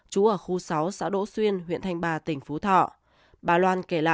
trú ở khu sáu xã đỗ xuyên huyện thanh ba tỉnh phú thọ